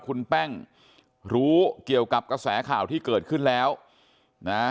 คุณแป้งรู้เกี่ยวกับกระแสข่าวที่เกิดขึ้นแล้วนะ